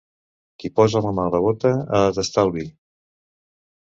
Qui posa la mà a la bota ha de tastar el vi.